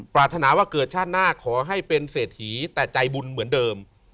ปรารถนาว่าเกิดชาติหน้าขอให้เป็นเศรษฐีแต่ใจบุญเหมือนเดิม